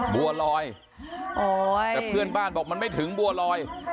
บัวลอยแต่เพื่อนบ้านบอกมันไม่ถึงบัวลอย